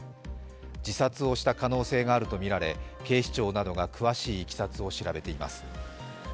自殺をした可能性があるとみられ警視庁などが詳しいいきさつを調べています。